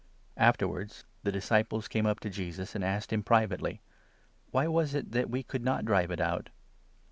Afterwards the disciples came up to Jesus, and asked him privately: "Why was it that we could not drive it out